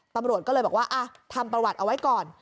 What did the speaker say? ตำรวจก็เลยบอกว่าทำประวัติเอาไว้ก่อน